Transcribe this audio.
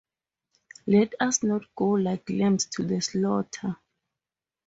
Let us not go like lambs to the slaughter!